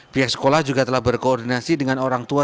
pihak sekolah juga telah berkoordinasi dengan orang tua